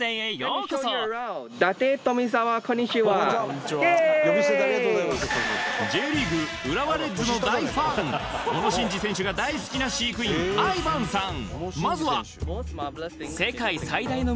イエーイＪリーグ浦和レッズの大ファン小野伸二選手が大好きな飼育員アイバンさん